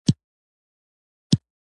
کارګران زما په خوا کښې ودرېدل.